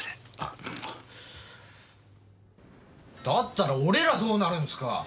だったら俺らどうなるんすか！？